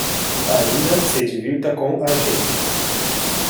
Ainda se divirta com a gente.